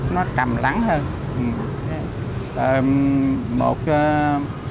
nó trầm lắng hơn